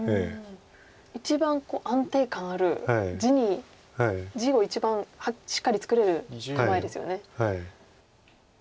一番安定感ある地を一番しっかり作れる構えですよね。